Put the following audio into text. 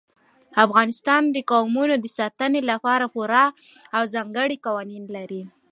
افغانستان د قومونه د ساتنې لپاره پوره او ځانګړي قوانین لري.